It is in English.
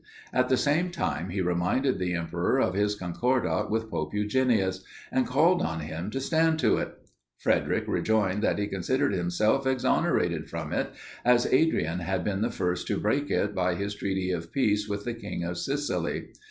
At the same time, he reminded the Emperor of his concordat with Pope Eugenius, and called on him to stand to it. Frederic rejoined, that he considered himself exonerated from it, as Adrian had been the first to break it by his treaty of peace with the king of Sicily.